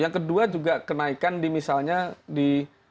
yang kedua juga kenaikan di misalnya di